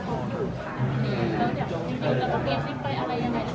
อยู่กระทบเยอะมั้ยไปอะไรยังไงนะคะ